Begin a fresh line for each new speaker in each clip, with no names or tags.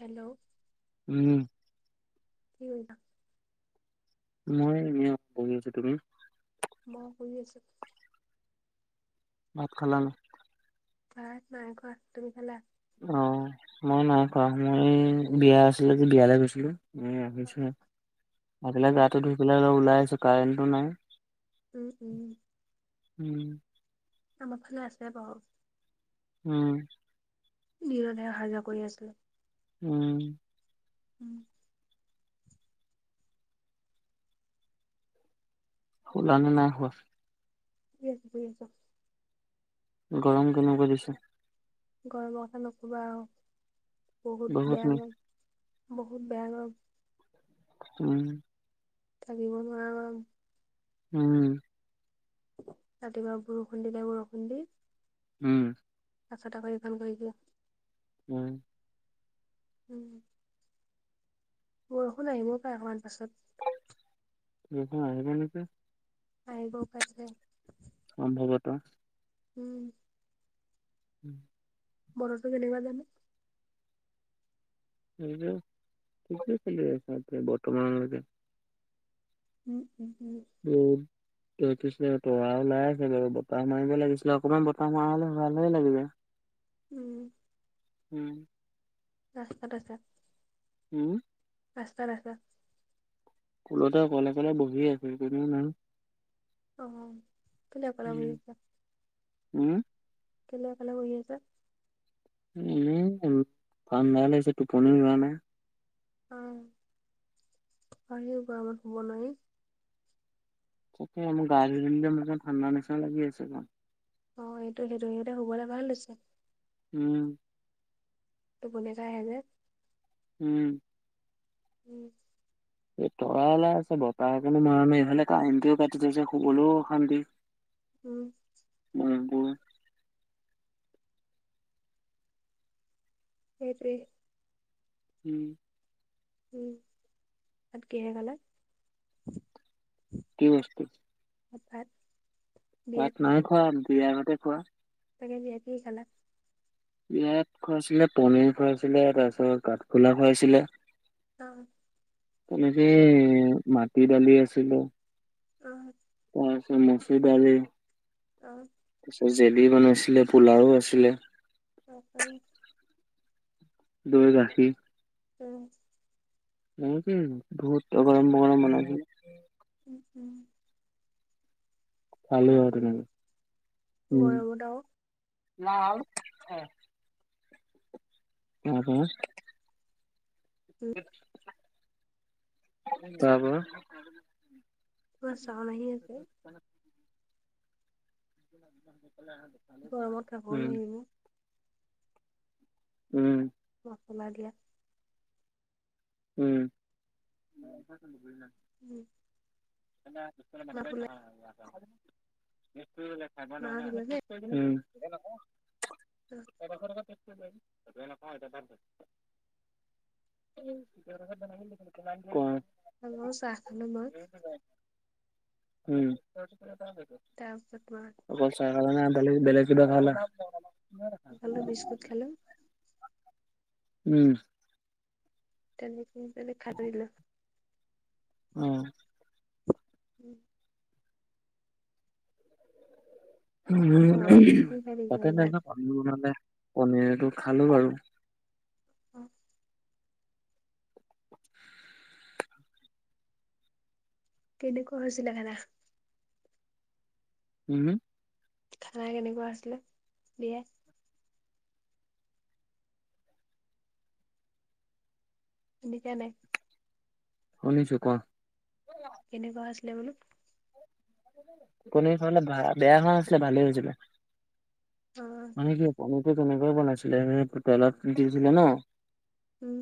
Hello
উম।
কি কইতা?
মই এনেইয়া বহি আছো। তুমি?
মই শুই আছো।
ভাত খালা?
তাই নাই খোৱা। তুমি খালা?
অ মই নাই খোৱা মই বিয়া আছিলে যে বিয়ালে গৈছিলো। উম আহিছে,
অ',
হাগেলে
অ',
গাটো ধুই পেলাই অলপ ওলাই আছো কাৰেণ্টটো নাই।
উম উম।
উম।
আমাৰ ফালে আছে বাও।
উম।
নিয়ণে অহা যোৱা কৰি আছিলে।
উম।
উম।
শুলানে নাই হোৱা?
[unintelligible]
গৰম কেনেকুৱা দিছে
গৰমৰ কথা নকবা আৰু বহুত বেয়া গৰম বহুত বেয়া গৰম
উম
থাকিব নোৱাৰা গৰম
উম
ৰাতিপুৱা বৰষুণ দিলে বৰষুণ দি
উম
তাৰ পাছত আকৌ এইকন কৰি দিওঁ
উম
উম বৰষুণ আহি মোৰ পাই অকমান পাছত
[unintelligible] আহিব নেকি
আহিব পাৰে
সম্ভৱত
উম
উম
বৰতো কেনেকুৱা জানো
সেইটোৱে ঠিকেই চলি বৰ্তমান লৈকে
উম উম উম
হেল্ল তই কৈছিলি তৰা ওলাই আছে বাৰু বতাহ মাৰিব লাগিছিলে অকমান বতাহ মৰা হলে ভালহে লাগিলে [inaudible]
উম
উম
ৰাস্তাত আছা
উম
ৰাস্তাত আছা
কুলতে অকলে অকলে বহি আছে এজনো নাই
অ কেলে অকলে বহি
উম
আছা
উম
কেলে অকলে বহি আছা
এনেই ঠাণ্ডা লাগিছে টোপনিও যোৱা নাই
অ এই গৰমত শুব নোৱাৰি
তাকে মোৰ গা ধুই দিলো একদম মোৰ ঠাণ্ডা নিচনা লাগি আছে ক
অ এইটো সেইটো সিহঁতে শুবলৈ ভালে লৈছে
উম
তুপনি একাই আহে যে
উম
উম
এই তৰা ওলাই আছে বতাহ একণো মৰা নাই এইফালে কাৰেণ্টোও কাটি থৈছে শুবলৈও অশান্তি [inaudible]
উম
উম
সেইটোৱে
উম
উম ভাত কিহে খালা
কি বস্তু
ভাত বিয়াত
ভাত নাইখোৱা বিয়া ঘতে খোৱা
তাকে ভি আইপি খালা
বিয়াত খুৱাইছিলে পনিৰ খুৱাইছিলে তাৰপিছত কাঠফুলা খুৱাইছিলে
অ
তেনেকে মাটি দালি আছিলো
অ
আকৌ আছে মছিদালি
অ
তাৰপিছত জেলি বনাইছিলে পোলাও আছিলে
অ অ
দৈ গাখীৰ
উম
বহুতেই বহুত অগৰম বগৰম বনাইছে
ও ও
ভালে আৰু ন
গৰমত
উ
গৰমত আৰু
তাপা
উম
তাপা
তোমাৰ চাউণ্ড আহি আছে
এফালে আহা বাও
গৰমত খাবও নোৱাৰি‌ একো
উম
মই তোমাৰ বিয়াত
উম
উ
[unintelligible] খাই পোৱা নাই
মাত
না
ওলালে
উম এ নকও
অ
এডখ এডখ শেষ কৰি লৈ এ নকও এইটো তাৰ হয় উম কয়
খালো চাহ খালো মই
উম
তাউপত বাদ
অকল চাহ খালা না বেলেগ কিবা খালা
খালো বিস্কুট খালো
উম
তেনেক তেনে খাই থৈ দিলো
উম
উম
উ
গৰমতনো কি খাই থাকিবা
তাতে নাই
ইমান
ন পনীৰ মানে পনীৰটো খালো বাৰু
অ
[unintelligible]
কেনেকুৱা হৈছিলে খানা?
হু হু?
খানা কেনেকুৱা আছিলে বিয়া? শুনিছা নাই?
শুনিছো। কোৱা?
কেনেকুৱা আছিলে বোলো?
পনীৰ খাবলে বেয়া হোৱা নাছিলে ভালেই হৈছিলে।
অঁ।
সেইটোয়ে পনিৰটো তেনেকৈয়ে বনাইছিলে সেই তেলত দিছিলে ন
উম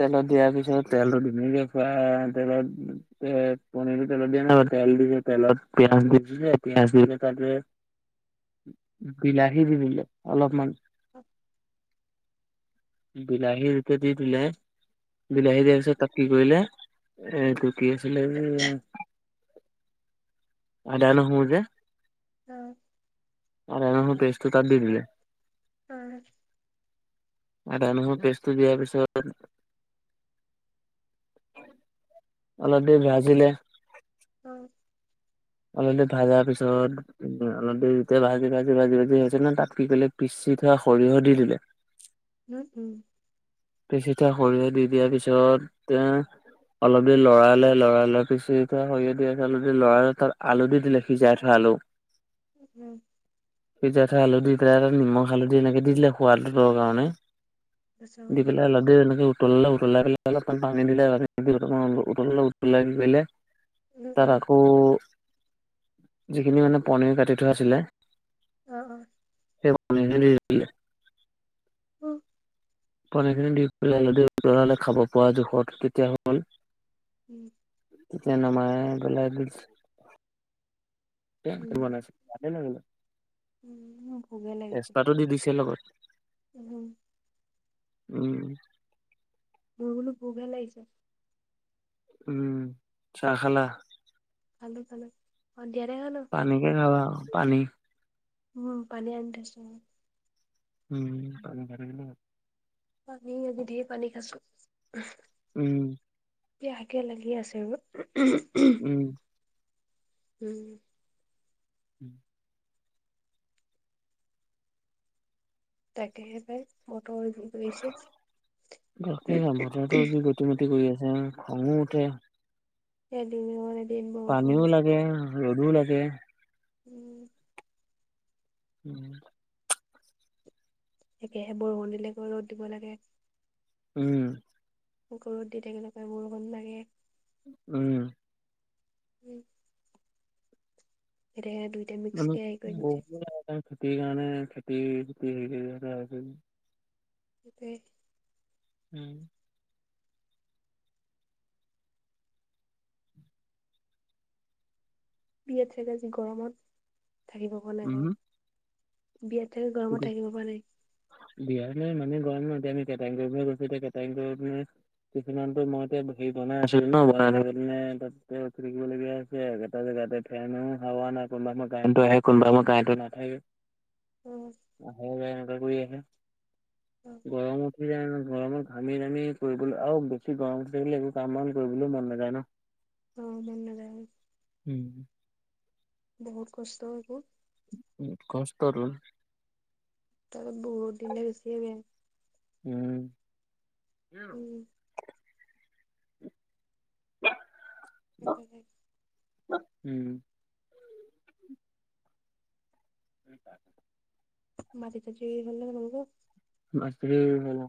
তেলত দিয়াৰ পিছত তেলতো ধুনীয়াকে ফ্ৰাই তেলত এ পনীৰটো তেলত দিয়া নাই বাৰু তেল দি তেলত পিয়াজ দি দিছে পিয়াজ দি তাতে বিলাহী দি দিলে অলপমান।
অ
বিলাহীটো ত' দি দিলে
উম
বিলাহী দিয়াৰ পিছত তাত কি কৰিলে এইটো কি আছিলে আদা নহৰু যে
অঁ।
আদা নহৰু পেষ্টটো তাত দি দিলে
উম
আদা নহৰু পেষ্টটো দিয়াৰ পিছত অলপ দেৰি ভাজিলে
অঁ
অলপ দেৰি ভাজা পিছত উম অলপ দেৰি যেতিয়া ভাজি ভাজি ভাজি ভাজি হৈছে ন তাত কি কৰিলে পিচি থোৱা সৰিয়হ দি দিলে
উম উম
পিচি থোৱা সৰিয়হ দি দিয়াৰ পিছত এ অলপ দেৰি লৰালে লৰাই লোৱাৰ পিছত সৰিয়হ দি সেইখনে দি অলপমান লৰালে তাত আলু দি দিলে সিজাই থোৱা আলু। [inaudible]
উম
সিজাই থোৱা আলু দি পেলাই নিমখ হালধি এনেকে দি দিলে সোৱাদটোৰ কাৰণে
তাৰপিছত
দি পেলাই অল প দেৰি এনেকে উতলিলে উতলাই পেলাই অলপ মান পানী দিলে, তাতে উতলোতে উতলাই কি কৰিলে
উম
তাত
উম
আকৌ যিখিনি মানে পনীৰ কাটি থোৱা আছিলে
অঁ অঁ।
সেইবাৰ নিজে নিজে উতলিলে।
অ।
পনীৰ খিনি দি পেলাই অলপ দেৰি উতলালে খাব পৰা জোখত কেতিয়ানো হ'ল
উম
তেতিয়া নমায়ে পেলাই
উম
[unintelligible]
উম মোৰ ভুকে লাগিছে।
তেজপাতো দি দিছে লগত।
উম
উম।
মোৰ বোলো পহু ভাল লাগিছে
উমঁ চাহ খালা?
খালোঁ খালোঁ সন্ধিয়াতে খালোঁ।
পানী কে খাবা পানী।
উম, পানী আনি থৈছোঁ মই।
[inaudible]
পানী আজি ধেই পানী খাইছোঁ।
উম।
বেয়াকে লাগি আছে।
উম।
উম।
উম।
তাকেহে পাই, বতৰ যি পৰিছে।
খতিমটি কৰি আছে উম খঙো উঠে।
এদিন মই মনে
পানীও লাগে, ৰ'দো লাগে।
উম।
উম।
একেহে বৰষুণ দিলেকে ৰ'দ দিব লাগে।
উম।
আকৌ ৰদ দি থাকিলে, আকৌ বৰষুণ লাগে।
উম।
উম। এটাহে দুইটাই
মানে
মিক্সিকে এই কৰি দিছে।
বহুত খেতিৰ কাৰণে, খেতি [unintelligible]
সেইটোৱে
[inaudible]
বিয়াত চাগে আজি গৰমত, থাকিব পৰা নাই
উম
চাগে। বিয়াত চাগে
উম
গৰমত থাকিব পৰা নাই।
বিয়াৰ নাই মানে গৰম নহতি আমি কেটাৰিং কৰিব হে গৈছোঁ কেটাৰিং কৰি ফেলাই [inaudible] উঠি থাকিবলগীয়া হৈছে, একেইটা জেগাতে ফেনো হাৱা নাই কোনোবা কাৰেণ্টটো আহে, কোনোবা সময় কাৰেণ্টো নাথাকে।
উম।
আহে [unintelligible] অনোকা কৰি আহে,
অ
গৰমত গৰমত ঘামি জামি কৰিবলৈ আৰু বেছি গৰম থাকিলে একো কাম বন কৰিবলৈও মন নযায় ন।
অ' [unintelligible]
উম।
বহুত কষ্ট এইবোৰ।
উ, কষ্টটোন।
[inaudible]
উম।
উম। তাকে -তাকে।
উম। [unintelligible]
মতি চাতি ৰুই হলনে তোমালোকৰ?
মাটি ৰুই হল অ।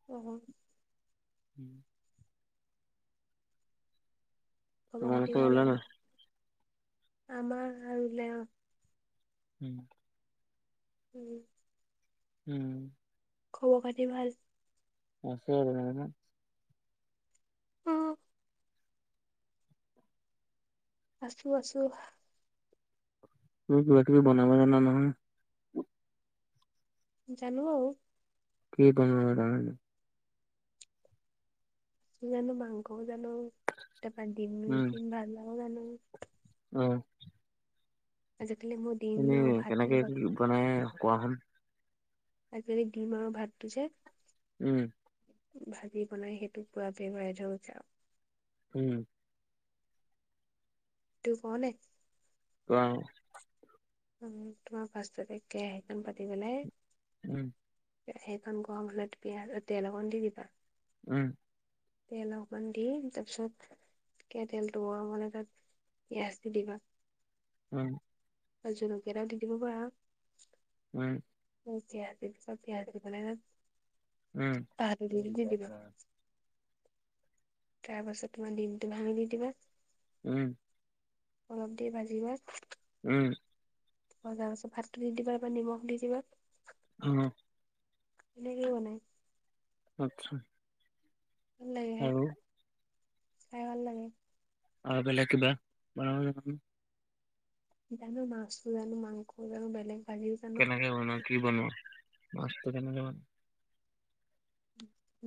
[unintelligible]
[unintelligible]
খবৰ খাতি
তোমালোকে
ভাল
ওলালা
আৰু? আমাৰ আ, ৰুলে অঁ।
[unintelligible]
উম।
উম।
খবৰ খাতি ভাল?
আছে আৰু।
অ আছো-আছো।
তুমি বনাব জানা নহয়।
জানো আৰু।
কি কমিব তাৰ মানে।
জানো মাংসও জানো, তাপা দিম চিম ভাজিবও জানো।
উম।
[unintelligible]
মানে কোৱাহোন।
আবেলি দিম আৰু ভাততো যে।
উম।
ভাজি বনাই সেইটোক পুৰা [unintelligible]
উম।
তো কওঁনে।
কোৱা?
তোমাৰ ফাৰ্ষ্টতে কেৰাহীখন পাতি পেলাই।
উম।
সেইকখন গৰম হ'লে পিয়াজ অ, তেল অকণ দি দিবা। -
উম।
তেল অকমান দি তাৰপিছত, তেলটো গৰম হলে তাত পিয়াজ দি দিবা।
উম।
আৰু জলকীয়া এটাও দি দিব পাৰা।
উম।
[unintelligible]
উম।
হালধি দি দিবা তাৰ পাছত তোমাৰ দিমটো ভাঙি দি দিবা।
উম।
অলপ দেৰি ভাজিবা।
উম।
অ', তাৰ পাছত ভাতটো দি দিবা বা নিমখ দি দিবা।
উম।
এনেকেই বনাই।
আচ্ছা।
ভাল লাগে খাই
আৰু।
খাই ভাল লাগে।
আও বেলেগ কিবা বনাব জান নি
জানো মাছো জানো, মাংসও জানো বেলেগ ভাজিও জানো
কেনেকে বনোৱা, কি বনোৱা মাছটো কেনেকে বন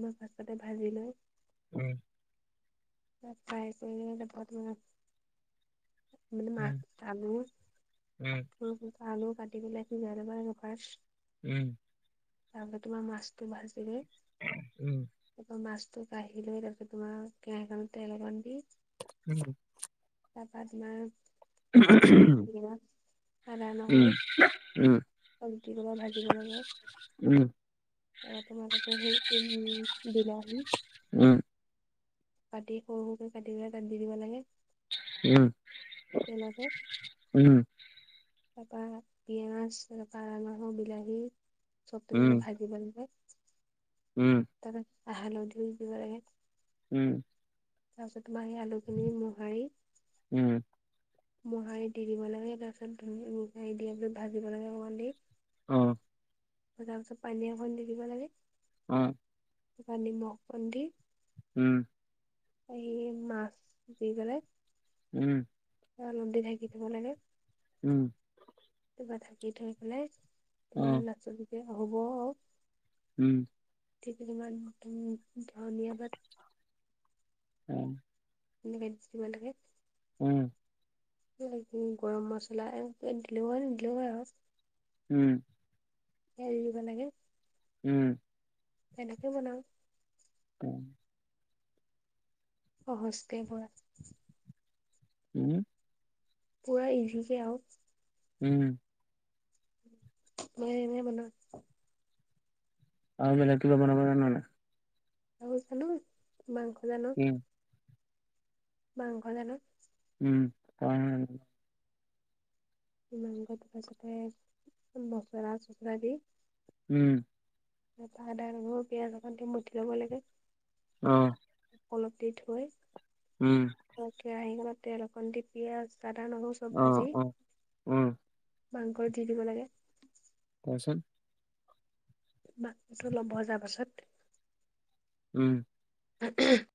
লৈ ফাৰ্ষ্টতে ভাজি লৈ
উম
তাত ফ্ৰাই কৰি তাপা [unintelligible] মানে মাছ
উম,
আলো
উম
সৰু সৰু কে আলু কাটি পেলাই সিজাই ল'ব লাগিব ফাৰ্ষ্ট
ওম
তাৰপাছত তোমাৰ মাছটো ভাজি দি
উম
আকৌ মাছটো কাঢ়ি লৈ তাৰপিছত তোমাৰ কেৰাহীখনতে তেল অকমান দি
উম
তাপা তোমাৰ এই [unintelligible] আদা, নহৰু
উম,
অলপ দি পেলাই ভাজিব লাগিব
উম
তাপা তোমালোকৰ সেই ক উ বিলাহী
উম,
কাটি সৰু সৰুকে কাটি পেলাই তাত দি দিব লাগে।
উম
তেলতে
উম,
তাপা পিঁয়াজ, এনকা নহৰু, বিলাহী চব [unintelligible] ভাজিব লাগে
উম
তাছত হালধিও দিব লাগে।
উম
তাৰপিছত তোমাৰ সেই আলুখিনি মোহাৰি,
উম
মোহাৰি দি দিব লাগে তাৰ পিছত ধু মুহাৰি দিয়াৰ পিছত ভাজিব লাগে অকণমান দেৰি
অ
ভজাৰ পিছত পানী অকন দি দিব লাগে।
অ
তাপা নিমখ অকন দি
উম
এই মাছ দি পেলাই
উম
অলপ দেৰি ঢাকি থব লাগে।
উম
তাপা ঢাকি থৈ পেলাই তোমাৰ
আৰু
[unintelligible] হ'বই।
উম
কেইখিলি মান উম ধনিয়া পাত
অ
এনেকে দি দিব লাগে
উম
এ কি গৰম মছলা এনেকে দিলেও হয় নিদিলেও হয় আৰু।
উম।
এইেৰি তেনেে [inaudible]
উম।
এনেকে বনাও।
উম।
অচ্ত প [inaudible]
উম।
পুৰা ইজি যে আৰু।
উম।
মে মে বনত [inaudible]
আৰু বেলেগ কিবা বনাব জানা নাই?
জানো- জানো মাংস জানো।
উম,
মাংস জানো।
উম, অ'
অ' মাংসটো ভাজোতে মচলা চচলা দি।
উম।
আদা নহৰু পিয়াঁজ অকণ দি মঠি ল'ব লাগে।
অঁ।
অলপ দেৰি থৈ।
উম।
অ' কেৰাহীখনত তেল অকণ দি পিয়াঁজ আদা নহৰু চব
অ',
ভাজি।
অ', উম,
মাংস দি দিব লাগে।
তাৰপিছত?
বাকী চব ভজাৰ পাছত।
উম।
তাকে।